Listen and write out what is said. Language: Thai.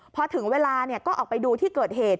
พอถึงเวลาก็ออกไปดูที่เกิดเหตุ